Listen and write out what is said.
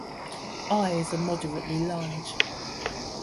Eyes are moderately large.